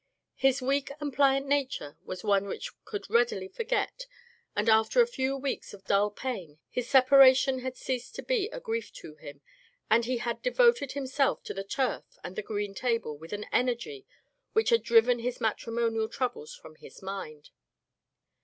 His weak and pliant nature was one which could readily forget, and after a few weeks of dull pain his separation had ceased to be a grief to him, and he had de voted himself to the turf and the green table with an energy which had driven his matrimonial troubles from his mind.